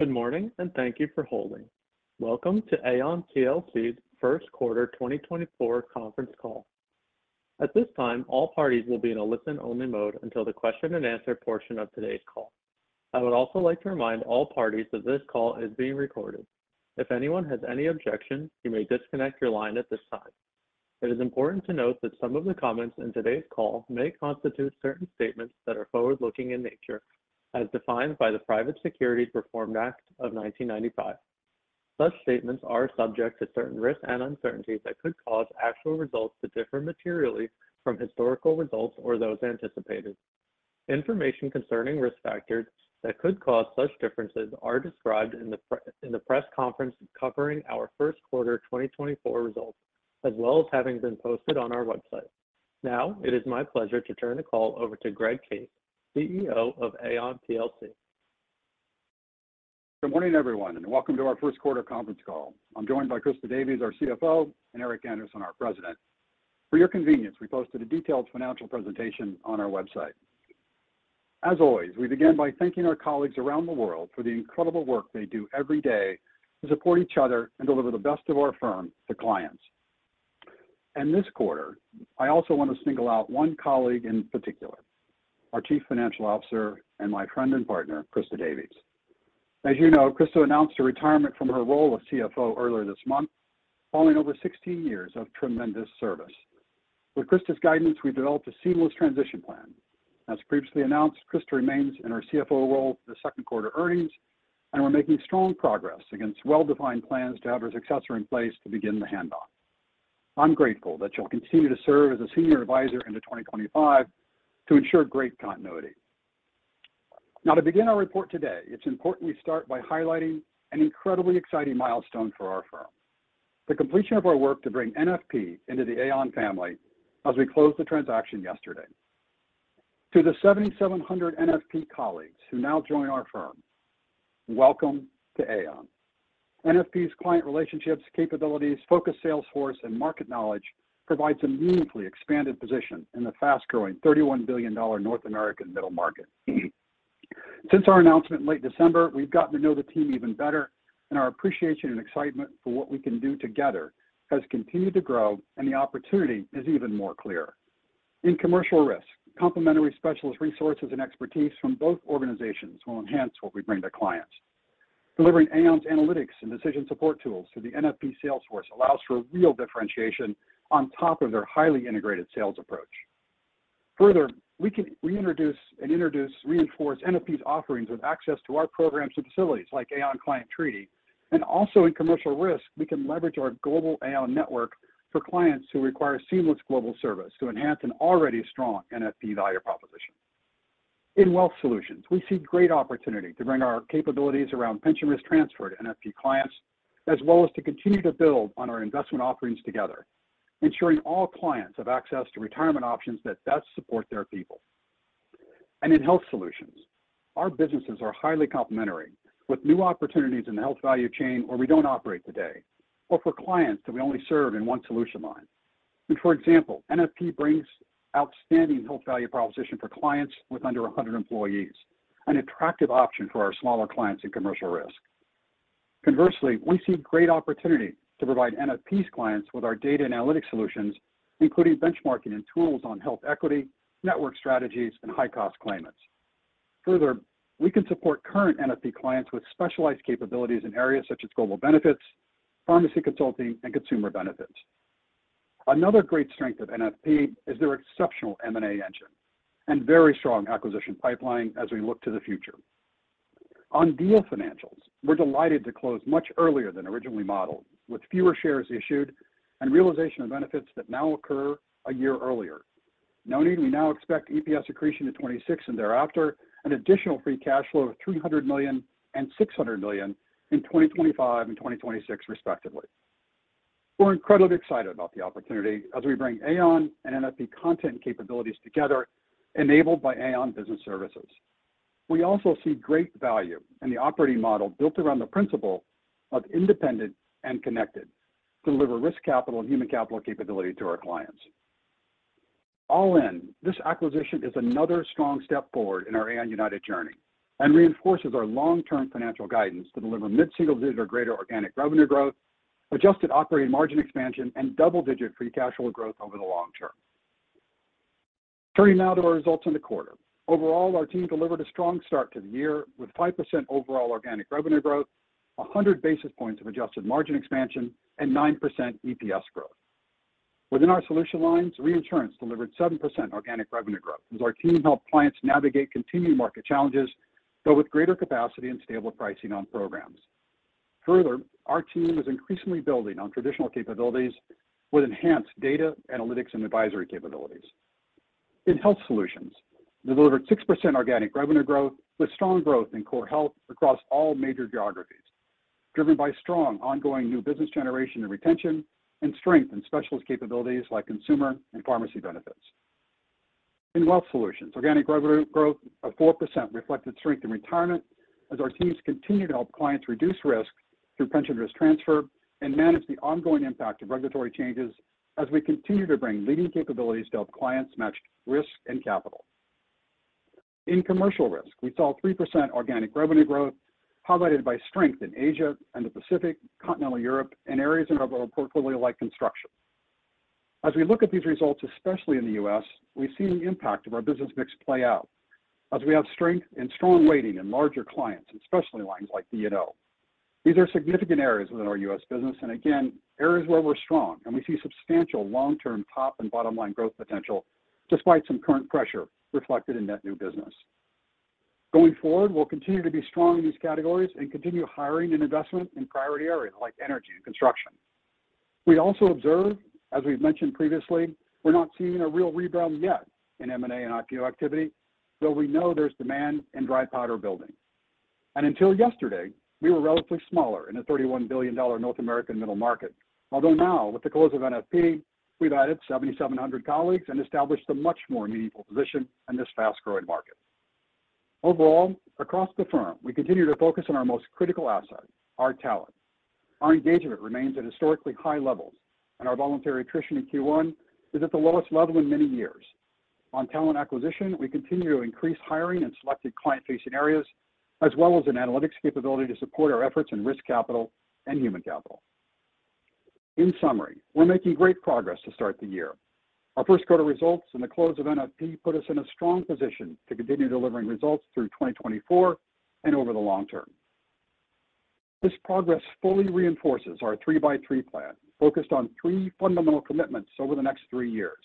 Good morning, and thank you for holding. Welcome to Aon plc's First Quarter 2024 Conference Call. At this time, all parties will be in a listen-only mode until the question and answer portion of today's call. I would also like to remind all parties that this call is being recorded. If anyone has any objections, you may disconnect your line at this time. It is important to note that some of the comments in today's call may constitute certain statements that are forward-looking in nature, as defined by the Private Securities Reform Act of 1995. Such statements are subject to certain risks and uncertainties that could cause actual results to differ materially from historical results or those anticipated. Information concerning risk factors that could cause such differences are described in the press conference covering our first quarter 2024 results, as well as having been posted on our website. Now, it is my pleasure to turn the call over to Greg Case, CEO of Aon plc. Good morning, everyone, and welcome to our first quarter conference call. I'm joined by Christa Davies, our CFO, and Eric Andersen, our president. For your convenience, we posted a detailed financial presentation on our website. As always, we begin by thanking our colleagues around the world for the incredible work they do every day to support each other and deliver the best of our firm to clients. And this quarter, I also want to single out one colleague in particular, our Chief Financial Officer and my friend and partner, Christa Davies. As you know, Christa announced her retirement from her role as CFO earlier this month, following over 16 years of tremendous service. With Christa's guidance, we developed a seamless transition plan. As previously announced, Christa remains in her CFO role for the second quarter earnings, and we're making strong progress against well-defined plans to have her successor in place to begin the handoff. I'm grateful that she'll continue to serve as a senior advisor into 2025 to ensure great continuity. Now, to begin our report today, it's important we start by highlighting an incredibly exciting milestone for our firm, the completion of our work to bring NFP into the Aon family as we closed the transaction yesterday. To the 7,700 NFP colleagues who now join our firm, welcome to Aon. NFP's client relationships, capabilities, focused sales force, and market knowledge provides a meaningfully expanded position in the fast-growing $31 billion North American middle market. Since our announcement in late December, we've gotten to know the team even better, and our appreciation and excitement for what we can do together has continued to grow, and the opportunity is even more clear. In Commercial Risk, complementary specialist resources and expertise from both organizations will enhance what we bring to clients. Delivering Aon's analytics and decision support tools to the NFP sales force allows for real differentiation on top of their highly integrated sales approach. Further, we can reintroduce and introduce reinforced NFP's offerings with access to our programs and facilities like Aon Client Treaty. And also in Commercial Risk, we can leverage our global Aon network for clients who require seamless global service to enhance an already strong NFP value proposition. In Wealth Solutions, we see great opportunity to bring our capabilities around pension risk transfer to NFP clients, as well as to continue to build on our investment offerings together, ensuring all clients have access to retirement options that best support their people. In Health Solutions, our businesses are highly complementary, with new opportunities in the health value chain where we don't operate today or for clients that we only serve in one solution line. For example, NFP brings outstanding health value proposition for clients with under 100 employees, an attractive option for our smaller clients in Commercial Risk. Conversely, we see great opportunity to provide NFP's clients with our data analytics solutions, including benchmarking and tools on health equity, network strategies, and high-cost claimants. Further, we can support current NFP clients with specialized capabilities in areas such as global benefits, pharmacy consulting, and consumer benefits. Another great strength of NFP is their exceptional M&A engine and very strong acquisition pipeline as we look to the future. On deal financials, we're delighted to close much earlier than originally modeled, with fewer shares issued and realization of benefits that now occur a year earlier. Note, we now expect EPS accretion to 26 and thereafter, an additional free cash flow of $300 million and $600 million in 2025 and 2026, respectively. We're incredibly excited about the opportunity as we bring Aon and NFP content capabilities together, enabled by Aon Business Services. We also see great value in the operating model built around the principle of independent and connected to deliver risk capital and human capital capability to our clients. All in, this acquisition is another strong step forward in our Aon United journey and reinforces our long-term financial guidance to deliver mid-single-digit or greater organic revenue growth, adjusted operating margin expansion, and double-digit free cash flow growth over the long term. Turning now to our results in the quarter. Overall, our team delivered a strong start to the year, with 5% overall organic revenue growth, 100 basis points of adjusted margin expansion, and 9% EPS growth. Within our solution lines, Reinsurance delivered 7% organic revenue growth, as our team helped clients navigate continuing market challenges, but with greater capacity and stable pricing on programs. Further, our team is increasingly building on traditional capabilities with enhanced data analytics and advisory capabilities. In Health Solutions, we delivered 6% organic revenue growth, with strong growth in core health across all major geographies, driven by strong ongoing new business generation and retention, and strength in specialist capabilities like consumer and pharmacy benefits. In Wealth Solutions, organic revenue growth of 4% reflected strength in retirement as our teams continue to help clients reduce risk through pension risk transfer and manage the ongoing impact of regulatory changes as we continue to bring leading capabilities to help clients match risk and capital.... In Commercial Risk, we saw 3% organic revenue growth, highlighted by strength in Asia and the Pacific, Continental Europe, and areas in our portfolio like construction. As we look at these results, especially in the U.S., we see the impact of our business mix play out as we have strength and strong weighting in larger clients, and especially lines like D&O. These are significant areas within our U.S. business, and again, areas where we're strong, and we see substantial long-term top and bottom line growth potential, despite some current pressure reflected in net new business. Going forward, we'll continue to be strong in these categories and continue hiring and investment in priority areas like energy and construction. We also observed, as we've mentioned previously, we're not seeing a real rebound yet in M&A and IPO activity, though we know there's demand and dry powder building. Until yesterday, we were relatively smaller in the $31 billion North American middle market. Although now, with the close of NFP, we've added 7,700 colleagues and established a much more meaningful position in this fast-growing market. Overall, across the firm, we continue to focus on our most critical asset, our talent. Our engagement remains at historically high levels, and our voluntary attrition in Q1 is at the lowest level in many years. On talent acquisition, we continue to increase hiring in selected client-facing areas, as well as in analytics capability to support our efforts in Risk Capital and Human Capital. In summary, we're making great progress to start the year. Our first quarter results and the close of NFP put us in a strong position to continue delivering results through 2024 and over the long term. This progress fully reinforces our 3x3 Plan, focused on three fundamental commitments over the next three years,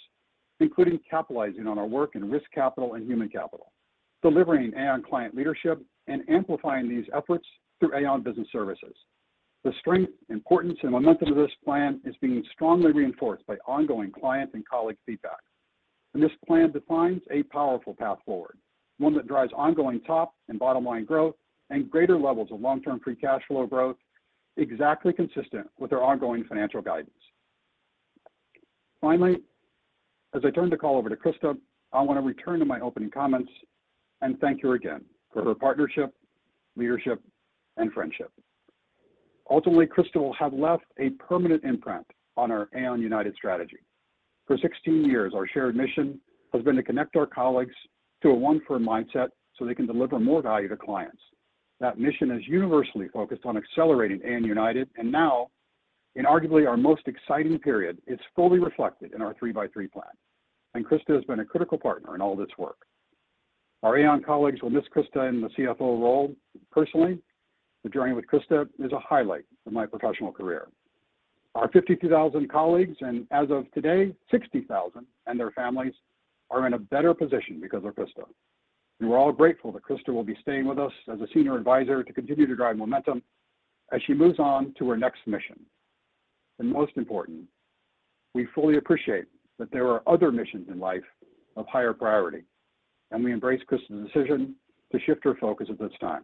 including capitalizing on our work in Risk Capital and Human Capital, delivering Aon Client Leadership, and amplifying these efforts through Aon Business Services. The strength, importance and momentum of this plan is being strongly reinforced by ongoing client and colleague feedback, and this plan defines a powerful path forward, one that drives ongoing top and bottom line growth and greater levels of long-term free cash flow growth, exactly consistent with our ongoing financial guidance. Finally, as I turn the call over to Christa, I want to return to my opening comments and thank her again for her partnership, leadership, and friendship. Ultimately, Christa will have left a permanent imprint on our Aon United strategy. For 16 years, our shared mission has been to connect our colleagues to a one-firm mindset so they can deliver more value to clients. That mission is universally focused on accelerating Aon United, and now, in arguably our most exciting period, it's fully reflected in our 3x3 Plan, and Christa has been a critical partner in all of this work. Our Aon colleagues will miss Christa in the CFO role. Personally, the journey with Christa is a highlight of my professional career. Our 52,000 colleagues, and as of today, 60,000, and their families are in a better position because of Christa, and we're all grateful that Christa will be staying with us as a senior advisor to continue to drive momentum as she moves on to her next mission. And most important, we fully appreciate that there are other missions in life of higher priority, and we embrace Christa's decision to shift her focus at this time.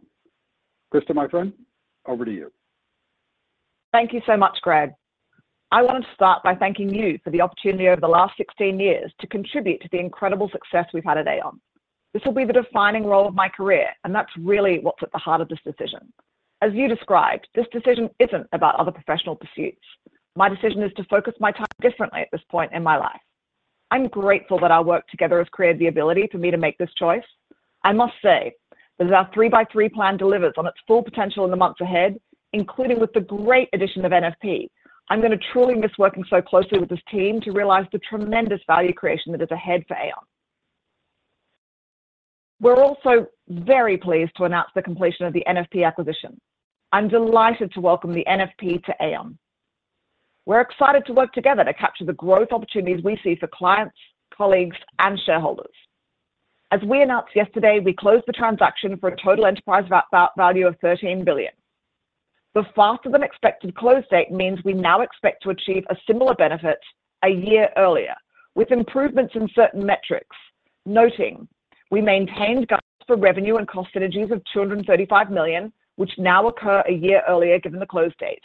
Christa, my friend, over to you. Thank you so much, Greg. I wanted to start by thanking you for the opportunity over the last 16 years to contribute to the incredible success we've had at Aon. This will be the defining role of my career, and that's really what's at the heart of this decision. As you described, this decision isn't about other professional pursuits. My decision is to focus my time differently at this point in my life. I'm grateful that our work together has created the ability for me to make this choice. I must say that as our 3x3 Plan delivers on its full potential in the months ahead, including with the great addition of NFP, I'm going to truly miss working so closely with this team to realize the tremendous value creation that is ahead for Aon. We're also very pleased to announce the completion of the NFP acquisition. I'm delighted to welcome the NFP to Aon. We're excited to work together to capture the growth opportunities we see for clients, colleagues, and shareholders. As we announced yesterday, we closed the transaction for a total enterprise value of $13 billion. The faster than expected close date means we now expect to achieve a similar benefit a year earlier, with improvements in certain metrics, noting we maintained guidance for revenue and cost synergies of $235 million, which now occur a year earlier, given the close date.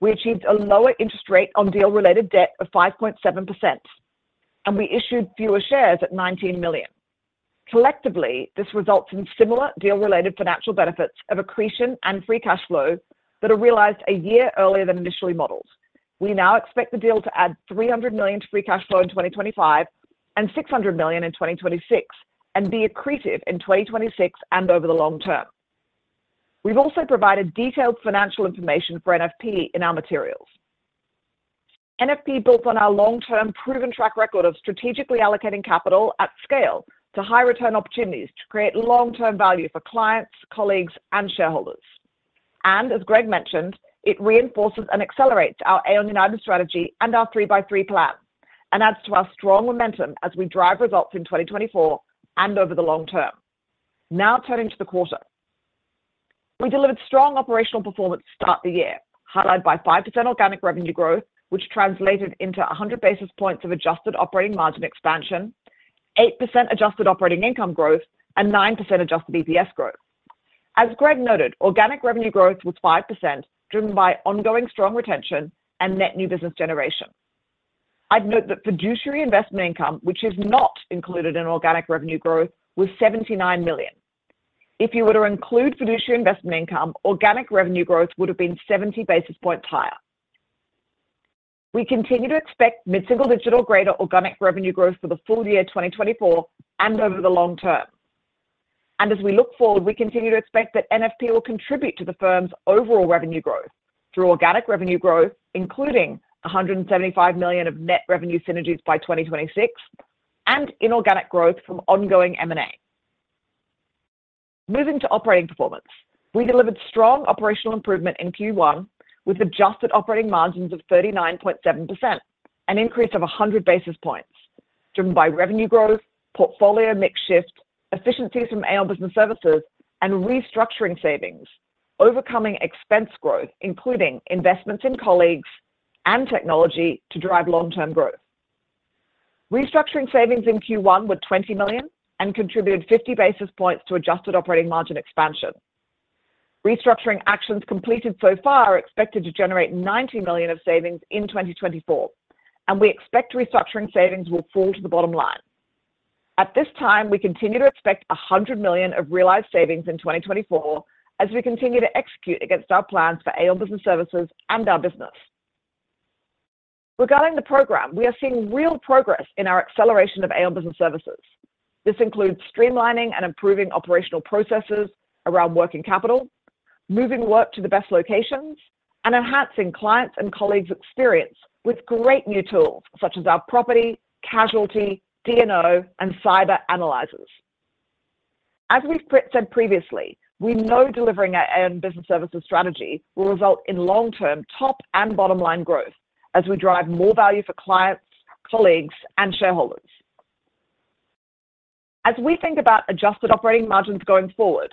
We achieved a lower interest rate on deal-related debt of 5.7%, and we issued fewer shares at 19 million. Collectively, this results in similar deal-related financial benefits of accretion and free cash flow that are realized a year earlier than initially modeled. We now expect the deal to add $300 million to free cash flow in 2025 and $600 million in 2026 and be accretive in 2026 and over the long term. We've also provided detailed financial information for NFP in our materials. NFP builds on our long-term, proven track record of strategically allocating capital at scale to high return opportunities to create long-term value for clients, colleagues, and shareholders. As Greg mentioned, it reinforces and accelerates our Aon United strategy and our 3x3 Plan and adds to our strong momentum as we drive results in 2024 and over the long term. Now, turning to the quarter. We delivered strong operational performance to start the year, highlighted by 5% organic revenue growth, which translated into 100 basis points of adjusted operating margin expansion, 8% adjusted operating income growth, and 9% adjusted EPS growth. As Greg noted, organic revenue growth was 5%, driven by ongoing strong retention and net new business generation. I'd note that fiduciary investment income, which is not included in organic revenue growth, was $79 million. If you were to include fiduciary investment income, organic revenue growth would have been 70 basis points higher. We continue to expect mid-single-digit or greater organic revenue growth for the full year 2024 and over the long term. As we look forward, we continue to expect that NFP will contribute to the firm's overall revenue growth through organic revenue growth, including $175 million of net revenue synergies by 2026 and inorganic growth from ongoing M&A. Moving to operating performance, we delivered strong operational improvement in Q1, with adjusted operating margins of 39.7%, an increase of 100 basis points, driven by revenue growth, portfolio mix shift, efficiencies from Aon Business Services, and restructuring savings, overcoming expense growth, including investments in colleagues and technology to drive long-term growth. Restructuring savings in Q1 were $20 million and contributed 50 basis points to adjusted operating margin expansion. Restructuring actions completed so far are expected to generate $90 million of savings in 2024, and we expect restructuring savings will fall to the bottom line. At this time, we continue to expect $100 million of realized savings in 2024 as we continue to execute against our plans for Aon Business Services and our business. Regarding the program, we are seeing real progress in our acceleration of Aon Business Services. This includes streamlining and improving operational processes around working capital, moving work to the best locations, and enhancing clients' and colleagues' experience with great new tools such as our Property, Casualty, D&O, and Cyber Analyzers. As we've said previously, we know delivering our Aon Business Services strategy will result in long-term top and bottom-line growth as we drive more value for clients, colleagues, and shareholders. As we think about adjusted operating margins going forward,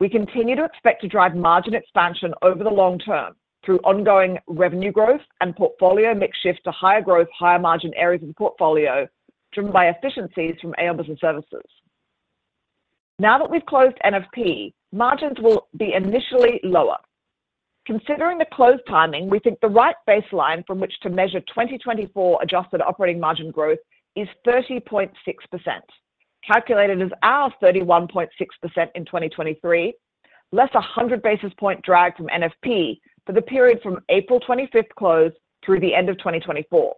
we continue to expect to drive margin expansion over the long term through ongoing revenue growth and portfolio mix shift to higher growth, higher margin areas of the portfolio, driven by efficiencies from Aon Business Services. Now that we've closed NFP, margins will be initially lower. Considering the close timing, we think the right baseline from which to measure 2024 adjusted operating margin growth is 30.6%, calculated as our 31.6% in 2023, less a 100 basis points drag from NFP for the period from April 25th close through the end of 2024.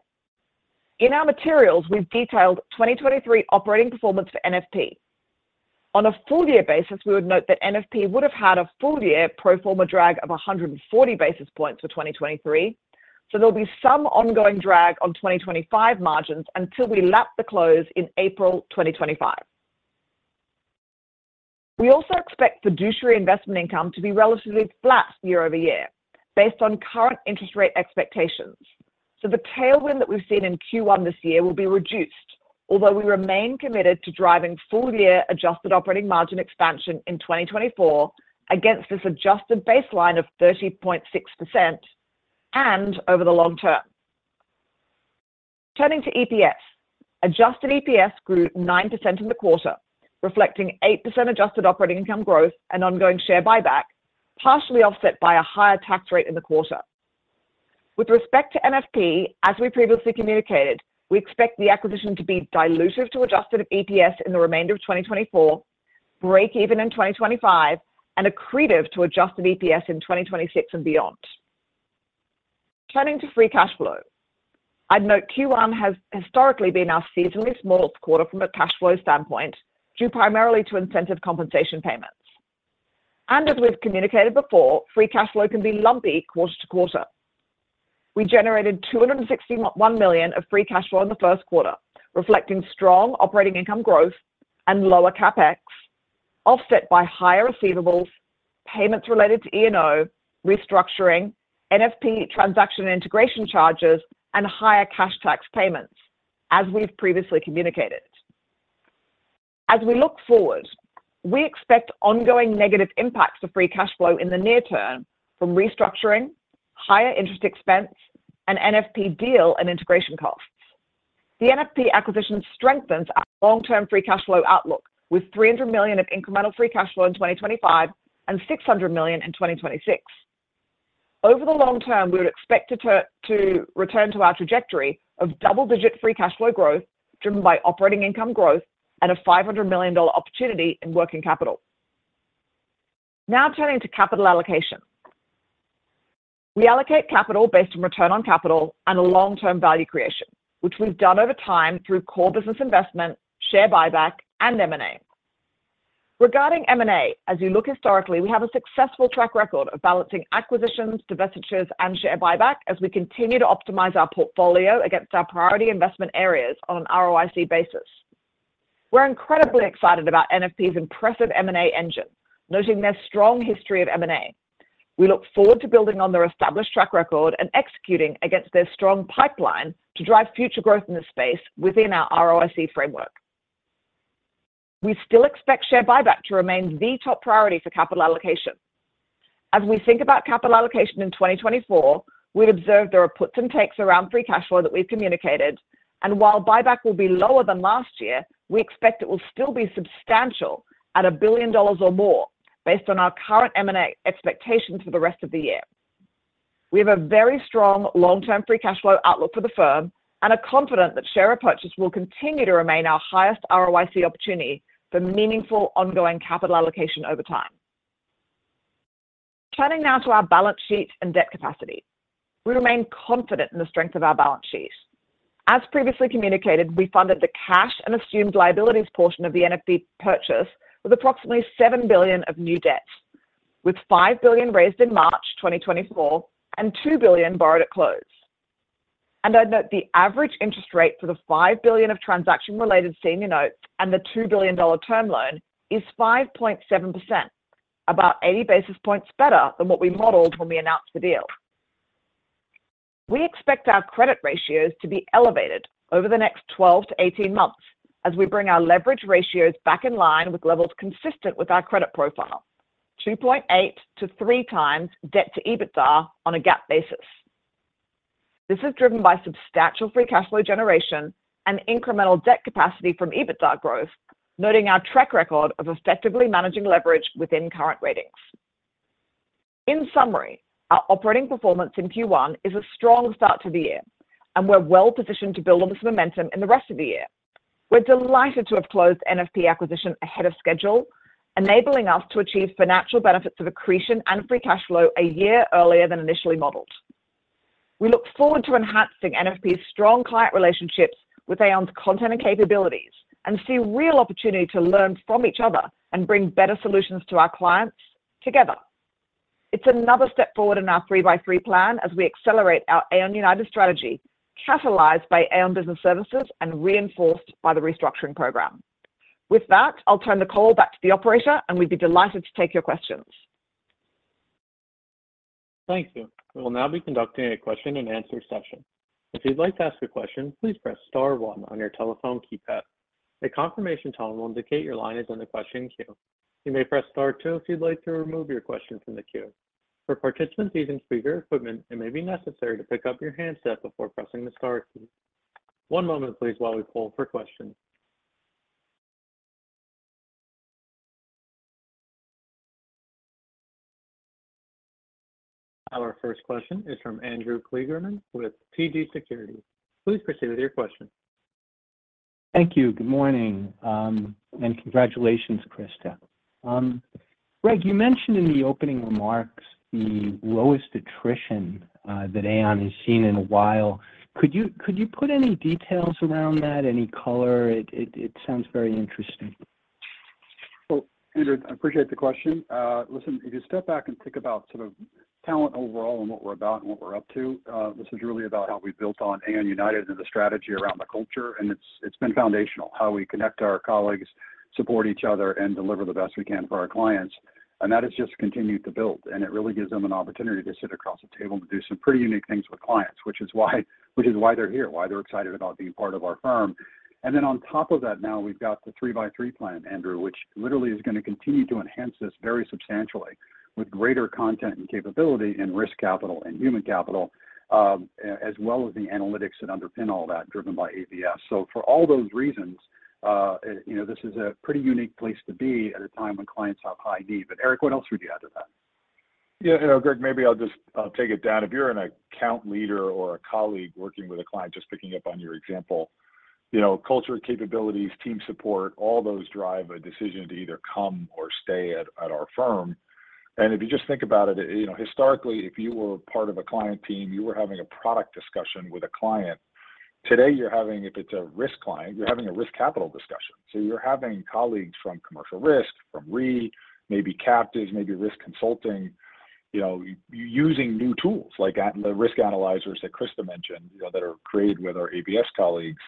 In our materials, we've detailed 2023 operating performance for NFP. On a full year basis, we would note that NFP would have had a full year pro forma drag of 100 basis points for 2023, so there'll be some ongoing drag on 2025 margins until we lap the close in April 2025. We also expect fiduciary investment income to be relatively flat year over year based on current interest rate expectations. So the tailwind that we've seen in Q1 this year will be reduced, although we remain committed to driving full-year adjusted operating margin expansion in 2024 against this adjusted baseline of 30.6% and over the long term. Turning to EPS. Adjusted EPS grew 9% in the quarter, reflecting 8% adjusted operating income growth and ongoing share buyback, partially offset by a higher tax rate in the quarter. With respect to NFP, as we previously communicated, we expect the acquisition to be dilutive to adjusted EPS in the remainder of 2024, break even in 2025, and accretive to adjusted EPS in 2026 and beyond. Turning to free cash flow, I'd note Q1 has historically been our seasonally smallest quarter from a cash flow standpoint, due primarily to incentive compensation payments. And as we've communicated before, free cash flow can be lumpy quarter-to-quarter. We generated $261 million of free cash flow in the first quarter, reflecting strong operating income growth and lower CapEx, offset by higher receivables, payments related to E&O, restructuring, NFP transaction integration charges, and higher cash tax payments, as we've previously communicated. As we look forward, we expect ongoing negative impacts to free cash flow in the near term from restructuring, higher interest expense, and NFP deal and integration costs. The NFP acquisition strengthens our long-term free cash flow outlook, with $300 million of incremental free cash flow in 2025 and $600 million in 2026. Over the long term, we would expect it to return to our trajectory of double-digit free cash flow growth, driven by operating income growth and a $500 million opportunity in working capital. Now turning to capital allocation. We allocate capital based on return on capital and long-term value creation, which we've done over time through core business investment, share buyback, and M&A. Regarding M&A, as you look historically, we have a successful track record of balancing acquisitions, divestitures, and share buyback as we continue to optimize our portfolio against our priority investment areas on an ROIC basis. We're incredibly excited about NFP's impressive M&A engine, noting their strong history of M&A. We look forward to building on their established track record and executing against their strong pipeline to drive future growth in this space within our ROIC framework. We still expect share buyback to remain the top priority for capital allocation. As we think about capital allocation in 2024, we've observed there are puts and takes around free cash flow that we've communicated, and while buyback will be lower than last year, we expect it will still be substantial at $1 billion or more based on our current M&A expectations for the rest of the year. We have a very strong long-term free cash flow outlook for the firm and are confident that share purchase will continue to remain our highest ROIC opportunity for meaningful, ongoing capital allocation over time. Turning now to our balance sheet and debt capacity. We remain confident in the strength of our balance sheet. As previously communicated, we funded the cash and assumed liabilities portion of the NFP purchase with approximately $7 billion of new debt, with $5 billion raised in March 2024, and $2 billion borrowed at close. I note the average interest rate for the $5 billion of transaction-related senior notes and the $2 billion term loan is 5.7%, about 80 basis points better than what we modeled when we announced the deal. We expect our credit ratios to be elevated over the next 12-18 months as we bring our leverage ratios back in line with levels consistent with our credit profile, 2.8-3 times debt to EBITDA on a GAAP basis. This is driven by substantial free cash flow generation and incremental debt capacity from EBITDA growth, noting our track record of effectively managing leverage within current ratings. In summary, our operating performance in Q1 is a strong start to the year, and we're delighted to have closed NFP acquisition ahead of schedule, enabling us to achieve financial benefits of accretion and free cash flow a year earlier than initially modeled. We look forward to enhancing NFP's strong client relationships with Aon's content and capabilities, and see real opportunity to learn from each other and bring better solutions to our clients together. It's another step forward in our 3x3 Plan as we accelerate our Aon United strategy, catalyzed by Aon Business Services and reinforced by the restructuring program. With that, I'll turn the call back to the operator, and we'd be delighted to take your questions. Thank you. We will now be conducting a question-and-answer session. If you'd like to ask a question, please press star one on your telephone keypad. A confirmation tone will indicate your line is in the question queue. You may press star two if you'd like to remove your question from the queue. For participants using speaker equipment, it may be necessary to pick up your handset before pressing the star key. One moment, please, while we poll for questions. Our first question is from Andrew Kligerman with TD Cowen. Please proceed with your question. Thank you. Good morning, and congratulations, Christa. Greg, you mentioned in the opening remarks the lowest attrition that Aon has seen in a while. Could you put any details around that, any color? It sounds very interesting. Well, Andrew, I appreciate the question. Listen, if you step back and think about sort of talent overall and what we're about and what we're up to, this is really about how we built on Aon United and the strategy around the culture, and it's, it's been foundational, how we connect our colleagues, support each other, and deliver the best we can for our clients. And that has just continued to build, and it really gives them an opportunity to sit across the table and do some pretty unique things with clients, which is why, which is why they're here, why they're excited about being part of our firm. And then on top of that, now we've got the three-by-three plan, Andrew, which literally is gonna continue to enhance this very substantially, with greater content and capability and risk capital and human capital, as well as the analytics that underpin all that, driven by ABS. So for all those reasons, you know, this is a pretty unique place to be at a time when clients have high need. But Eric, what else would you add to that? Yeah, you know, Greg, maybe I'll just, I'll take it down. If you're an account leader or a colleague working with a client, just picking up on your example, you know, culture, capabilities, team support, all those drive a decision to either come or stay at, at our firm. If you just think about it, you know, historically, if you were part of a client team, you were having a product discussion with a client. Today, you're having... If it's a risk client, you're having a risk capital discussion. So you're having colleagues from Commercial Risk, from re, maybe captives, maybe risk consulting, you know, using new tools, like the risk analyzers that Christa mentioned, you know, that are created with our ABS colleagues.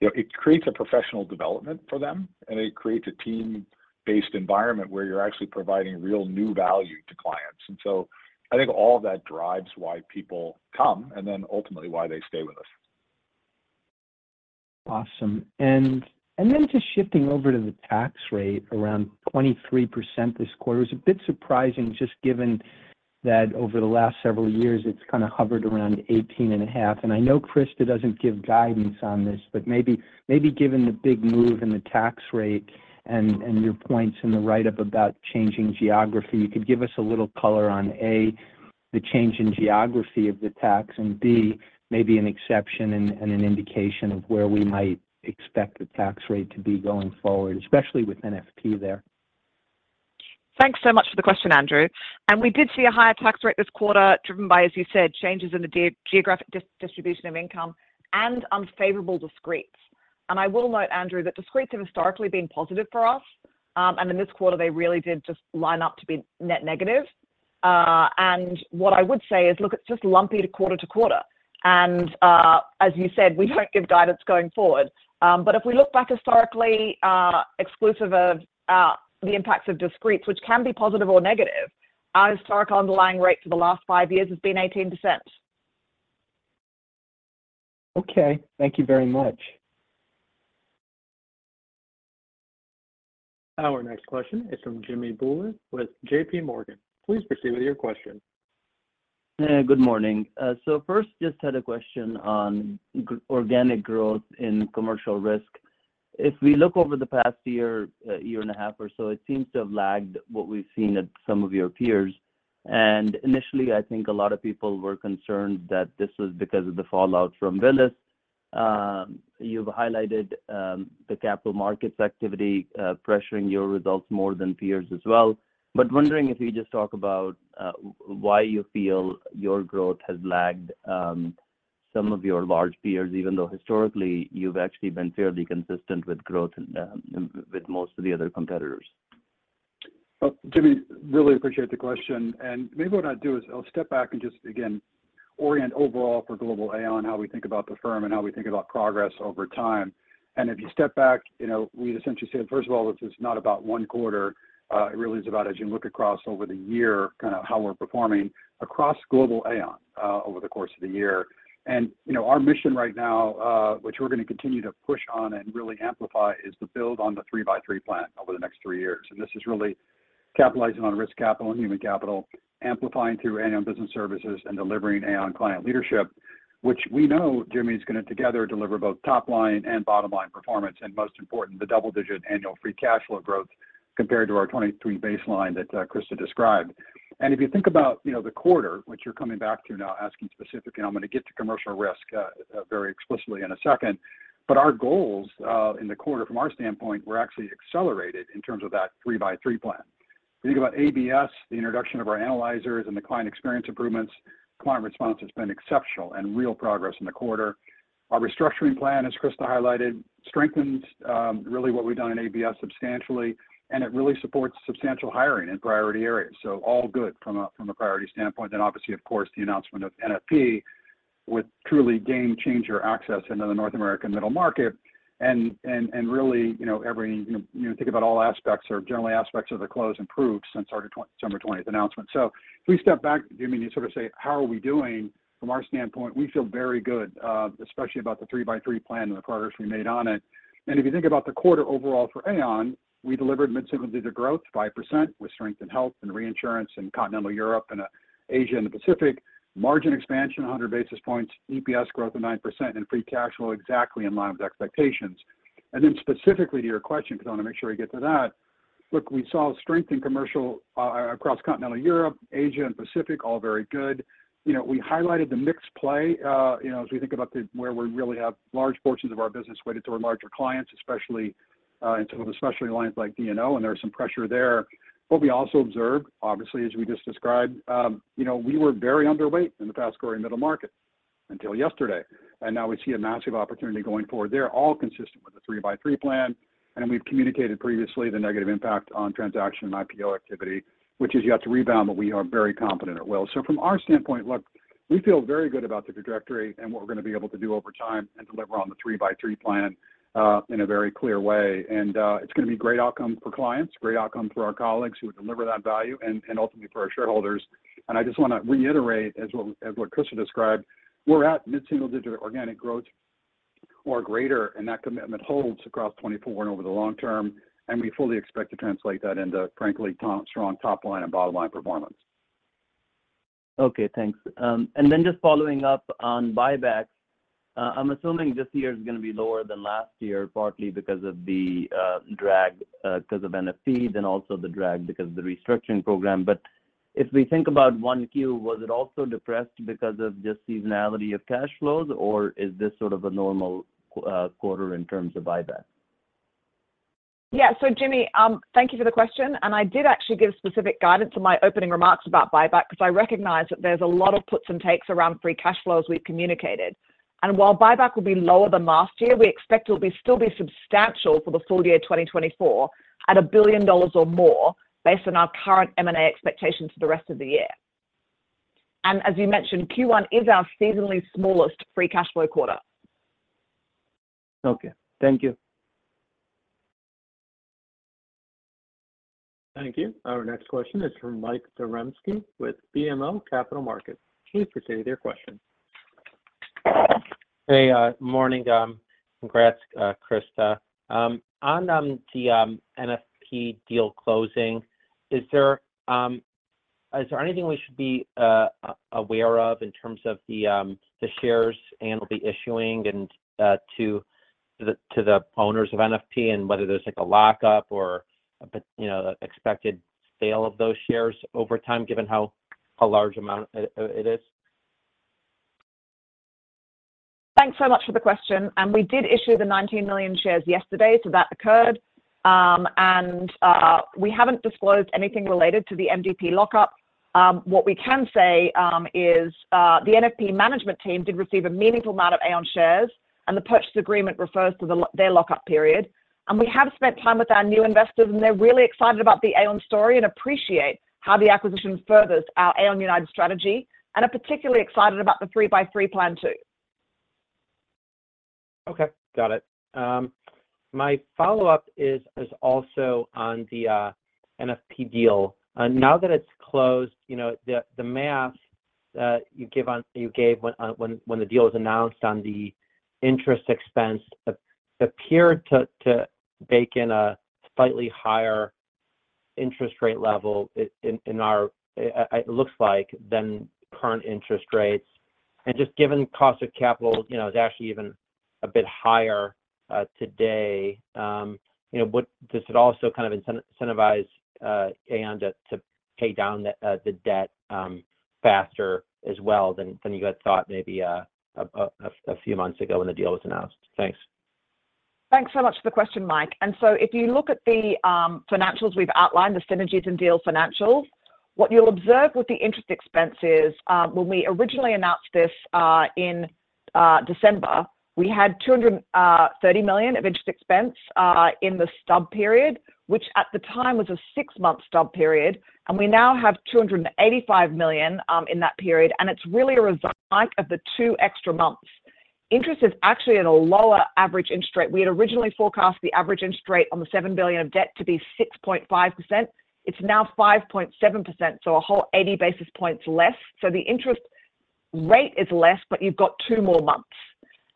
You know, it creates a professional development for them, and it creates a team-based environment where you're actually providing real new value to clients. And so I think all of that drives why people come, and then ultimately, why they stay with us. Awesome. And, and then just shifting over to the tax rate, around 23% this quarter. It was a bit surprising, just given that over the last several years, it's kind of hovered around 18.5. And I know Christa doesn't give guidance on this, but maybe, maybe given the big move in the tax rate and, and your points in the write-up about changing geography, you could give us a little color on, A, the change in geography of the tax, and B, maybe an exception and, and an indication of where we might expect the tax rate to be going forward, especially with NFP there. Thanks so much for the question, Andrew. And we did see a higher tax rate this quarter, driven by, as you said, changes in the geographic distribution of income and unfavorable discretes. And I will note, Andrew, that discretes have historically been positive for us, and in this quarter, they really did just line up to be net negative. And what I would say is, look, it's just lumpy quarter to quarter. And, as you said, we don't give guidance going forward. But if we look back historically, exclusive of the impacts of discretes, which can be positive or negative, our historic underlying rate for the last five years has been 18%. Okay. Thank you very much. Our next question is from Jimmy Bhullar with J.P. Morgan. Please proceed with your question. Good morning. So first, just had a question on organic growth in Commercial Risk. If we look over the past year, year and a half or so, it seems to have lagged what we've seen at some of your peers. And initially, I think a lot of people were concerned that this was because of the fallout from Willis. ... You've highlighted the capital markets activity pressuring your results more than peers as well. But wondering if you just talk about why you feel your growth has lagged some of your large peers, even though historically you've actually been fairly consistent with growth with most of the other competitors? Well, Jimmy, really appreciate the question, and maybe what I'll do is I'll step back and just again orient overall for global Aon, how we think about the firm and how we think about progress over time. And if you step back, you know, we essentially say, first of all, this is not about one quarter. It really is about as you look across over the year, kind of how we're performing across global Aon, over the course of the year. And, you know, our mission right now, which we're going to continue to push on and really amplify, is to build on the three-by-three plan over the next three years. This is really capitalizing on Risk Capital and Human Capital, amplifying through Aon Business Services and delivering Aon Client Leadership, which we know, Jimmy, is going to together deliver both top line and bottom line performance, and most important, the double-digit annual free cash flow growth compared to our 2023 baseline that Christa described. If you think about, you know, the quarter, which you're coming back to now, asking specifically, I'm going to get to Commercial Risk very explicitly in a second. But our goals in the quarter, from our standpoint, were actually accelerated in terms of that 3x3 Plan. If you think about ABS, the introduction of our analyzers and the client experience improvements, client response has been exceptional and real progress in the quarter. Our restructuring plan, as Christa highlighted, strengthens really what we've done in ABS substantially, and it really supports substantial hiring in priority areas. So all good from a priority standpoint. Then obviously, of course, the announcement of NFP with truly game changer access into the North American middle market. And really, you know, you think about all aspects or generally aspects of the close improved since December 20 announcement. So if we step back, Jimmy, and sort of say, "How are we doing?" From our standpoint, we feel very good, especially about the three-by-three plan and the progress we made on it. And if you think about the quarter overall for Aon, we delivered mid-single-digit growth, 5% with strength in health and reinsurance in Continental Europe and Asia and the Pacific. Margin expansion, 100 basis points, EPS growth of 9% and free cash flow exactly in line with expectations. Then specifically to your question, because I want to make sure we get to that. Look, we saw strength in commercial across Continental Europe, Asia and Pacific, all very good. You know, we highlighted the mixed picture, you know, as we think about the, where we really have large portions of our business weighted toward larger clients, especially in some of the specialty lines like D&O, and there are some pressure there. What we also observed, obviously, as we just described, you know, we were very underweight in the fast-growing middle market until yesterday, and now we see a massive opportunity going forward. They're all consistent with the three-by-three Plan, and we've communicated previously the negative impact on transaction and IPO activity, which is yet to rebound, but we are very confident it will. So from our standpoint, look, we feel very good about the trajectory and what we're going to be able to do over time and deliver on the three-by-three Plan in a very clear way. And it's going to be great outcome for clients, great outcome for our colleagues who deliver that value and ultimately for our shareholders. And I just want to reiterate as what Christa described, we're at mid-single digit organic growth or greater, and that commitment holds across 2024 and over the long term, and we fully expect to translate that into frankly strong top line and bottom line performance. Okay, thanks. And then just following up on buybacks. I'm assuming this year is going to be lower than last year, partly because of the drag because of NFP, then also the drag because of the restructuring program. But if we think about 1Q, was it also depressed because of just seasonality of cash flows, or is this sort of a normal quarter in terms of buyback? Yeah. So Jimmy, thank you for the question, and I did actually give specific guidance in my opening remarks about buyback, because I recognize that there's a lot of puts and takes around free cash flow as we've communicated. And while buyback will be lower than last year, we expect it will still be substantial for the full year 2024, at $1 billion or more, based on our current M&A expectations for the rest of the year. And as you mentioned, Q1 is our seasonally smallest free cash flow quarter. Okay. Thank you. Thank you. Our next question is from Mike Zaremski with BMO Capital Markets. Please proceed with your question. Hey, morning. Congrats, Christa. On the NFP deal closing, is there anything we should be aware of in terms of the shares Aon will be issuing to the owners of NFP and whether there's, like, a lockup or, you know, expected sale of those shares over time, given how large amount it is? Thanks so much for the question, and we did issue the 19 million shares yesterday, so that occurred. We haven't disclosed anything related to the MDP lockup. What we can say is the NFP management team did receive a meaningful amount of Aon shares, and the purchase agreement refers to their lockup period. We have spent time with our new investors, and they're really excited about the Aon story and appreciate how the acquisition furthers our Aon United strategy and are particularly excited about the 3x3 Plan, too. Okay, got it. My follow-up is also on the NFP deal. Now that it's closed, you know, the math you gave when the deal was announced on the interest expense appeared to bake in a slightly higher interest rate level in our, it looks like, than current interest rates. And just given cost of capital, you know, it's actually even a bit higher.... today, you know, would this at all also kind of incentivize Aon to pay down the debt faster as well than you had thought maybe a few months ago when the deal was announced? Thanks. Thanks so much for the question, Mike. So if you look at the financials we've outlined, the synergies and deal financials, what you'll observe with the interest expense is, when we originally announced this in December, we had $230 million of interest expense in the stub period, which at the time was a six-month stub period, and we now have $285 million in that period, and it's really a result of the two extra months. Interest is actually at a lower average interest rate. We had originally forecast the average interest rate on the $7 billion of debt to be 6.5%. It's now 5.7%, so a whole 80 basis points less. So the interest rate is less, but you've got two more months.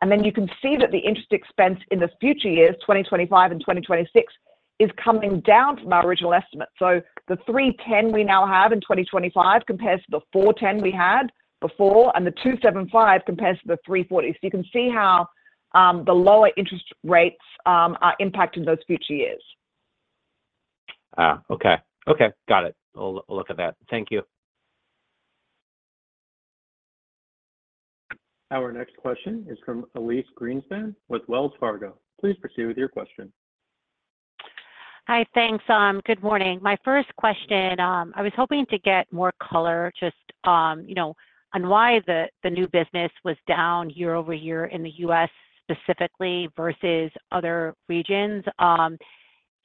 Then you can see that the interest expense in the future years, 2025 and 2026, is coming down from our original estimate. The $310 we now have in 2025 compares to the $410 we had before, and the $275 compares to the $340. You can see how the lower interest rates are impacting those future years. Ah, okay. Okay, got it. We'll, we'll look at that. Thank you. Our next question is from Elyse Greenspan with Wells Fargo. Please proceed with your question. Hi, thanks. Good morning. My first question, I was hoping to get more color just, you know, on why the new business was down year-over-year in the U.S. specifically versus other regions? You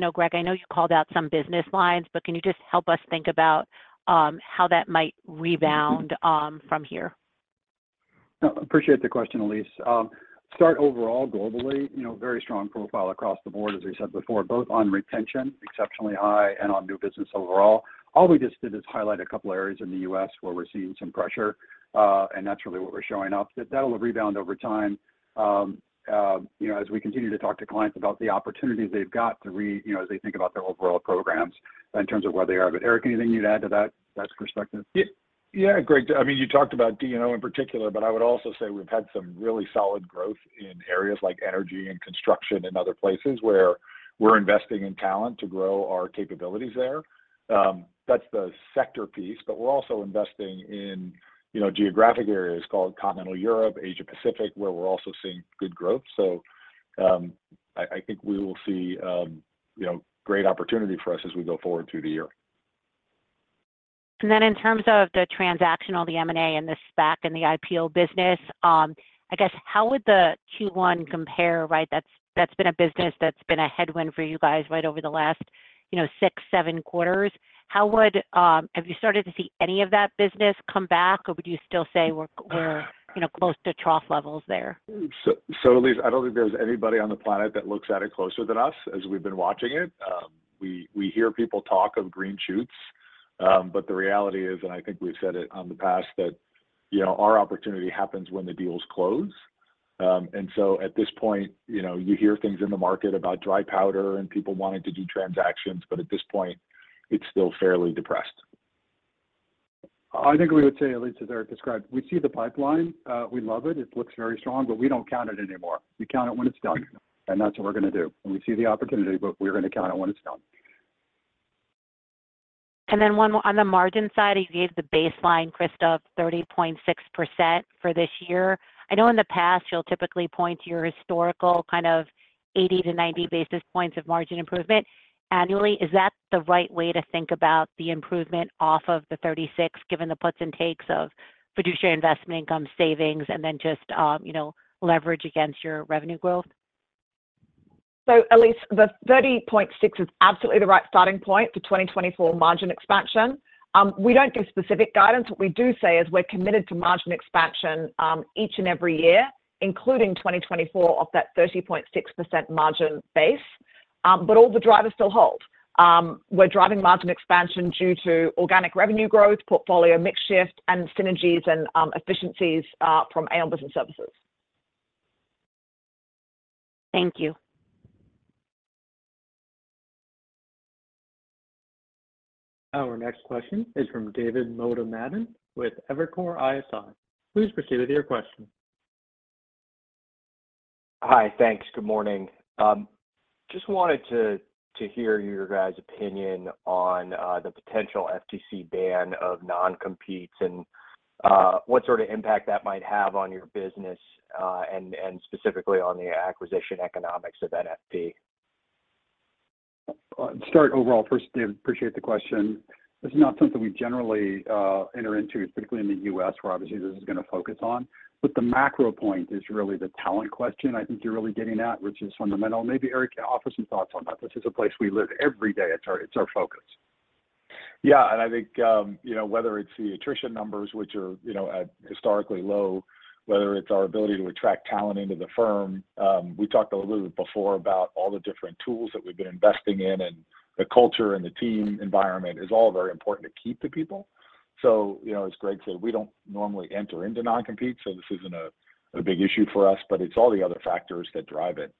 know, Greg, I know you called out some business lines, but can you just help us think about how that might rebound from here? No, appreciate the question, Elyse. Start overall globally, you know, very strong profile across the board, as I said before, both on retention, exceptionally high, and on new business overall. All we just did is highlight a couple of areas in the U.S. where we're seeing some pressure, and that's really what we're showing up. That that'll rebound over time, you know, as we continue to talk to clients about the opportunities they've got to, you know, as they think about their overall programs in terms of where they are. But Eric, anything you'd add to that, that perspective? Yeah, yeah, Greg, I mean, you talked about D&O in particular, but I would also say we've had some really solid growth in areas like energy and construction in other places where we're investing in talent to grow our capabilities there. That's the sector piece, but we're also investing in, you know, geographic areas called Continental Europe, Asia-Pacific, where we're also seeing good growth. So, I think we will see, you know, great opportunity for us as we go forward through the year. Then in terms of the transactional, the M&A and the SPAC and the IPO business, I guess how would the Q1 compare, right? That's, that's been a business that's been a headwind for you guys right over the last, you know, 6, 7 quarters. Have you started to see any of that business come back, or would you still say we're, we're, you know, close to trough levels there? So, Elyse, I don't think there's anybody on the planet that looks at it closer than us as we've been watching it. We hear people talk of green shoots, but the reality is, and I think we've said it in the past, that, you know, our opportunity happens when the deals close. And so at this point, you know, you hear things in the market about dry powder and people wanting to do transactions, but at this point, it's still fairly depressed. I think we would say, Elyse, as Eric described, we see the pipeline. We love it. It looks very strong, but we don't count it anymore. We count it when it's done, and that's what we're going to do. When we see the opportunity, but we're going to count it when it's done. And then one more, on the margin side, you gave the baseline, Christa, of 30.6% for this year. I know in the past, you'll typically point to your historical kind of 80-90 basis points of margin improvement annually. Is that the right way to think about the improvement off of the 36, given the puts and takes of fiduciary investment income savings and then just, you know, leverage against your revenue growth? So Elyse, the 30.6 is absolutely the right starting point for 2024 margin expansion. We don't give specific guidance. What we do say is we're committed to margin expansion, each and every year, including 2024, off that 30.6% margin base. But all the drivers still hold. We're driving margin expansion due to organic revenue growth, portfolio mix shift, and synergies and efficiencies from Aon Business Services. Thank you. Our next question is from David Motemaden with Evercore ISI. Please proceed with your question. Hi, thanks. Good morning. Just wanted to hear your guys' opinion on the potential FTC ban of non-competes and what sort of impact that might have on your business, and specifically on the acquisition economics of NFP. Start overall first, Dave. Appreciate the question. This is not something we generally enter into, particularly in the U.S., where obviously this is going to focus on, but the macro point is really the talent question I think you're really getting at, which is fundamental. Maybe Eric can offer some thoughts on that. This is a place we live every day. It's our, it's our focus. Yeah, and I think, you know, whether it's the attrition numbers, which are, you know, at historically low, whether it's our ability to attract talent into the firm, we talked a little bit before about all the different tools that we've been investing in and the culture and the team environment is all very important to keep the people. So, you know, as Greg said, we don't normally enter into non-compete, so this isn't a big issue for us, but it's all the other factors that drive it.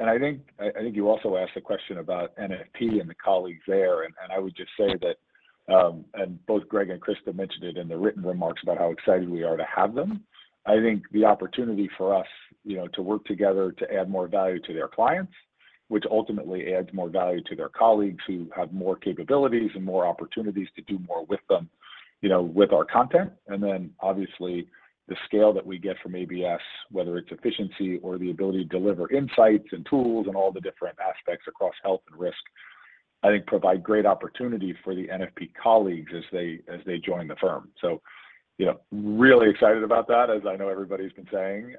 And I think, I think you also asked a question about NFP and the colleagues there, and, and I would just say that, and both Greg and Christa mentioned it in the written remarks about how excited we are to have them. I think the opportunity for us, you know, to work together to add more value to their clients, which ultimately adds more value to their colleagues who have more capabilities and more opportunities to do more with them, you know, with our content. And then obviously, the scale that we get from ABS, whether it's efficiency or the ability to deliver insights and tools and all the different aspects across health and risk, I think provide great opportunity for the NFP colleagues as they, as they join the firm. So, you know, really excited about that, as I know everybody's been saying,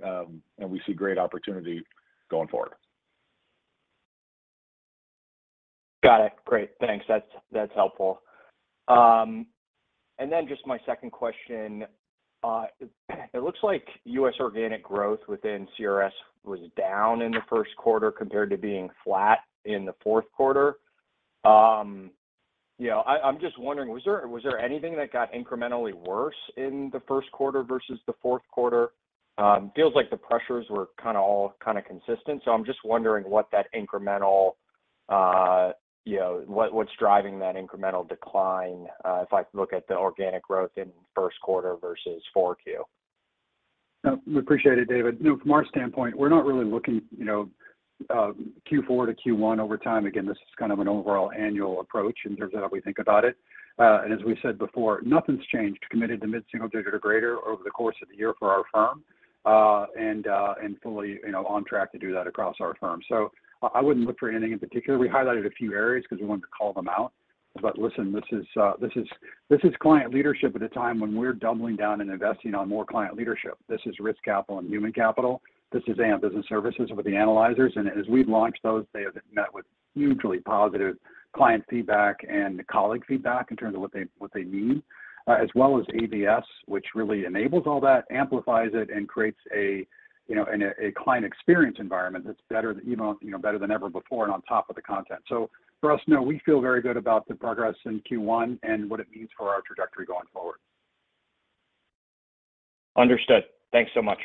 and we see great opportunity going forward. Got it. Great, thanks. That's, that's helpful. And then just my second question. It looks like U.S. organic growth within CRS was down in the first quarter compared to being flat in the fourth quarter. You know, I'm just wondering, was there anything that got incrementally worse in the first quarter versus the fourth quarter? Feels like the pressures were kind of all kind of consistent. So I'm just wondering what that incremental, you know, what's driving that incremental decline, if I look at the organic growth in first quarter versus 4Q? No, we appreciate it, David. You know, from our standpoint, we're not really looking, you know, Q4 to Q1 over time. Again, this is kind of an overall annual approach in terms of how we think about it. As we said before, nothing's changed. Committed to mid-single digit or greater over the course of the year for our firm, and fully, you know, on track to do that across our firm. So I wouldn't look for anything in particular. We highlighted a few areas 'cause we wanted to call them out. But listen, this is client leadership at a time when we're doubling down and investing on more client leadership. This is risk capital and human capital. This is Aon Business Services with the analyzers, and as we've launched those, they have met with hugely positive client feedback and colleague feedback in terms of what they need, as well as ABS, which really enables all that, amplifies it, and creates a, you know, and a client experience environment that's better, you know, you know, better than ever before and on top of the content. So for us, we feel very good about the progress in Q1 and what it means for our trajectory going forward. Understood. Thanks so much.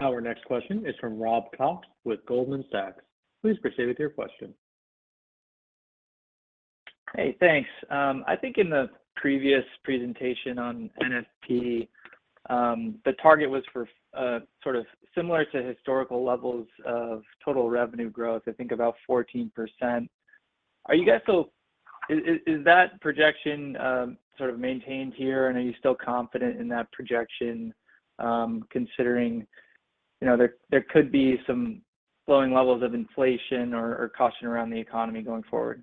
Our next question is from Rob Cox with Goldman Sachs. Please proceed with your question. Hey, thanks. I think in the previous presentation on NFP, the target was for, sort of similar to historical levels of total revenue growth, I think about 14%. Is that projection sort of maintained here? And are you still confident in that projection, considering, you know, there could be some slowing levels of inflation or caution around the economy going forward?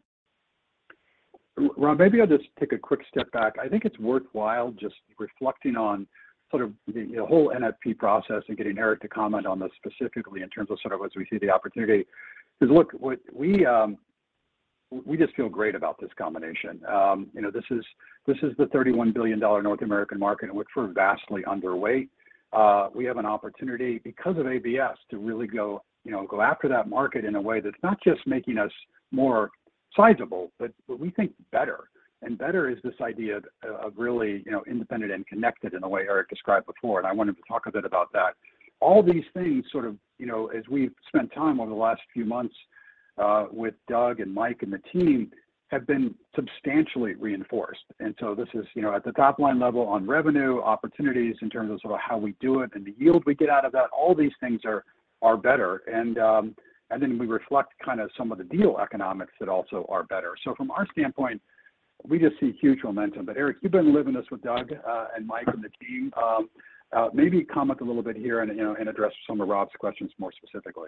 Rob, maybe I'll just take a quick step back. I think it's worthwhile just reflecting on sort of the whole NFP process and getting Eric to comment on this specifically in terms of sort of as we see the opportunity. Because, look, what we just feel great about this combination. You know, this is the $31 billion North American market in which we're vastly underweight. We have an opportunity because of ABS to really go, you know, go after that market in a way that's not just making us more sizable, but we think better. And better is this idea of really, you know, independent and connected in the way Eric described before, and I wanted to talk a bit about that. All these things sort of, you know, as we've spent time over the last few months, with Doug and Mike and the team, have been substantially reinforced. And so this is, you know, at the top line level on revenue, opportunities in terms of sort of how we do it and the yield we get out of that, all these things are better. And then we reflect kind of some of the deal economics that also are better. So from our standpoint, we just see huge momentum. But Eric, you've been living this with Doug, and Mike, and the team. Maybe comment a little bit here and, you know, and address some of Rob's questions more specifically.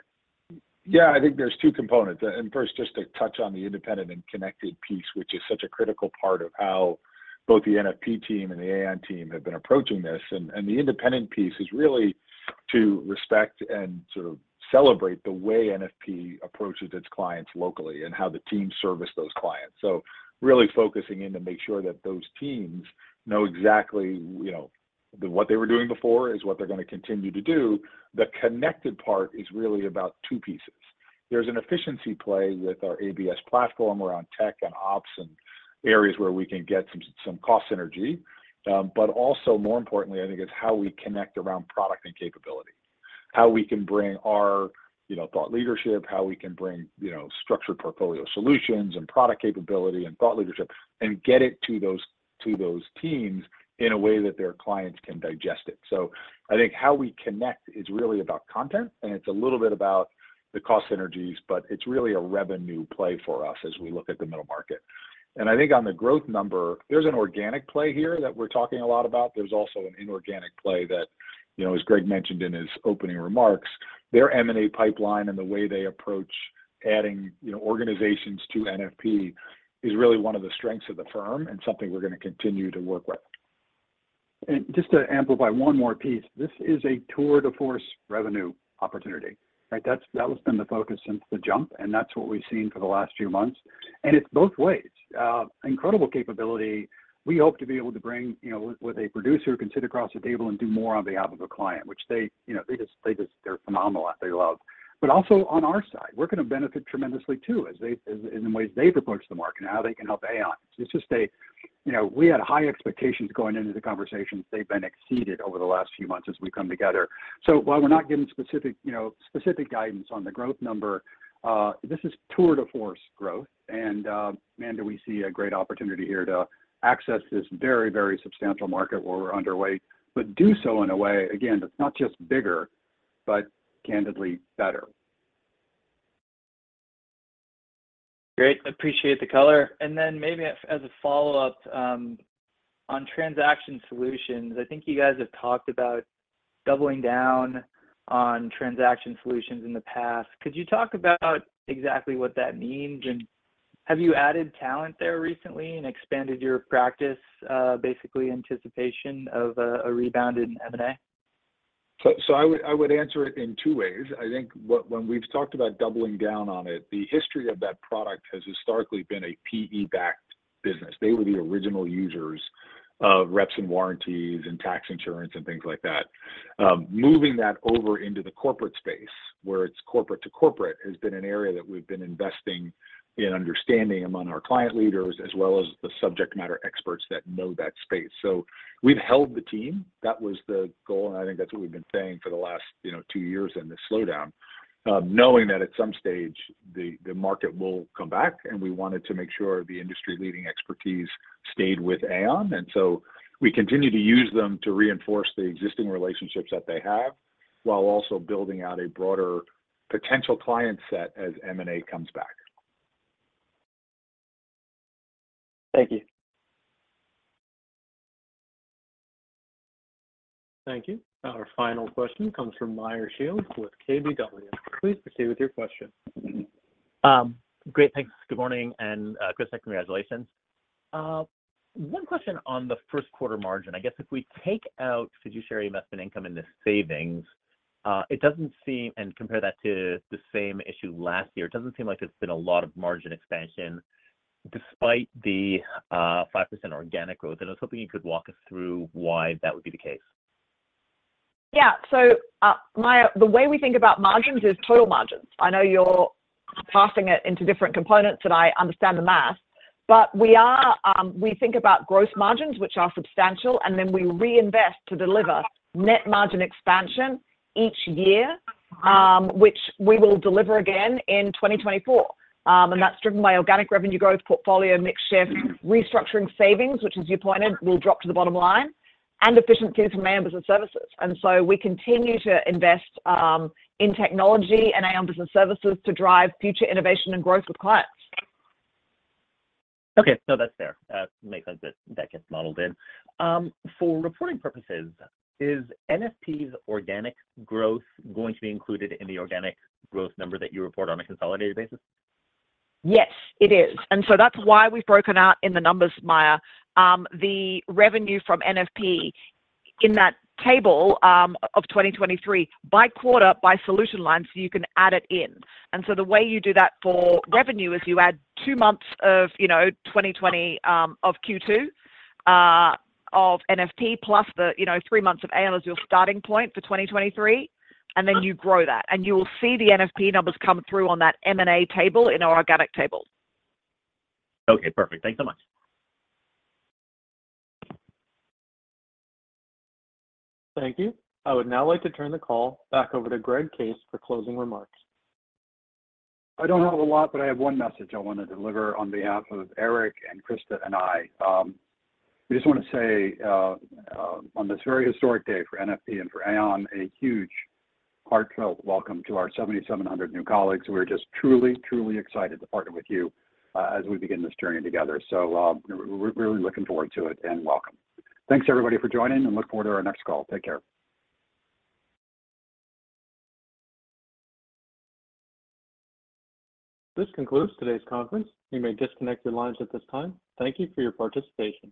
Yeah, I think there's two components. First, just to touch on the independent and connected piece, which is such a critical part of how both the NFP team and the Aon team have been approaching this. The independent piece is really to respect and sort of celebrate the way NFP approaches its clients locally and how the teams service those clients. So really focusing in to make sure that those teams know exactly, you know, that what they were doing before is what they're going to continue to do. The connected part is really about two pieces. There's an efficiency play with our ABS platform around tech and ops and areas where we can get some cost synergy, but also more importantly, I think it's how we connect around product and capability. How we can bring our, you know, thought leadership, how we can bring, you know, structured portfolio solutions and product capability and thought leadership and get it to those, to those teams in a way that their clients can digest it. So I think how we connect is really about content, and it's a little bit about the cost synergies, but it's really a revenue play for us as we look at the middle market. And I think on the growth number, there's an organic play here that we're talking a lot about. There's also an inorganic play that, you know, as Greg mentioned in his opening remarks, their M&A pipeline and the way they approach adding, you know, organizations to NFP is really one of the strengths of the firm and something we're going to continue to work with. And just to amplify one more piece, this is a tour de force revenue opportunity, right? That's that has been the focus since the jump, and that's what we've seen for the last few months. And it's both ways. Incredible capability we hope to be able to bring, you know, with a producer can sit across the table and do more on behalf of a client, which they, you know, they just-- they're phenomenal, I love. But also on our side, we're going to benefit tremendously too, as they-- in the ways they approach the market and how they can help Aon. It's just a-... You know, we had high expectations going into the conversations. They've been exceeded over the last few months as we've come together. So while we're not giving specific, you know, specific guidance on the growth number, this is tour de force growth. And, man, do we see a great opportunity here to access this very, very substantial market where we're underway, but do so in a way, again, that's not just bigger, but candidly better. Great, appreciate the color. And then maybe as a follow-up on Transaction Solutions, I think you guys have talked about doubling down on Transaction Solutions in the past. Could you talk about exactly what that means? And have you added talent there recently and expanded your practice, basically anticipation of a rebound in M&A? So, so I would, I would answer it in two ways. I think when we've talked about doubling down on it, the history of that product has historically been a PE-backed business. They were the original users of reps and warranties and tax insurance and things like that. Moving that over into the corporate space, where it's corporate to corporate, has been an area that we've been investing in understanding among our client leaders, as well as the subject matter experts that know that space. So we've held the team. That was the goal, and I think that's what we've been saying for the last, you know, two years in this slowdown. Knowing that at some stage, the, the market will come back, and we wanted to make sure the industry-leading expertise stayed with Aon. We continue to use them to reinforce the existing relationships that they have, while also building out a broader potential client set as M&A comes back. Thank you. Thank you. Our final question comes from Meyer Shields with KBW. Please proceed with your question. Great, thanks. Good morning, and, Christa, congratulations. One question on the first quarter margin. I guess if we take out fiduciary investment income in the savings, it doesn't seem... and compare that to the same issue last year, it doesn't seem like there's been a lot of margin expansion despite the 5% organic growth. And I was hoping you could walk us through why that would be the case. Yeah. So, Meyer, the way we think about margins is total margins. I know you're parsing it into different components, and I understand the math, but we are, we think about gross margins, which are substantial, and then we reinvest to deliver net margin expansion each year, which we will deliver again in 2024. And that's driven by organic revenue growth, portfolio mix shift, restructuring savings, which, as you pointed, will drop to the bottom line, and efficiency from Aon Business Services. And so we continue to invest in technology and Aon Business Services to drive future innovation and growth with clients. Okay, no, that's fair. Makes sense that that gets modeled in. For reporting purposes, is NFP's organic growth going to be included in the organic growth number that you report on a consolidated basis? Yes, it is. And so that's why we've broken out in the numbers, Meyer, the revenue from NFP in that table, of 2023 by quarter by solution line, so you can add it in. And so the way you do that for revenue is you add two months of, you know, 2020, of Q2, of NFP, plus the, you know, three months of Aon as your starting point for 2023, and then you grow that. And you will see the NFP numbers come through on that M&A table in our organic table. Okay, perfect. Thanks so much. Thank you. I would now like to turn the call back over to Greg Case for closing remarks. I don't have a lot, but I have one message I want to deliver on behalf of Eric and Christa and I. We just want to say, on this very historic day for NFP and for Aon, a huge heartfelt welcome to our 7,700 new colleagues. We're just truly, truly excited to partner with you, as we begin this journey together. So, we're really looking forward to it, and welcome. Thanks, everybody, for joining, and look forward to our next call. Take care. This concludes today's conference. You may disconnect your lines at this time. Thank you for your participation.